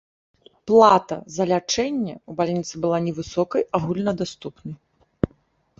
Аплата за лячэнне ў бальніцы была невысокай, агульнадаступнай.